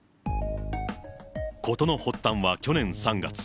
事の発端は去年３月。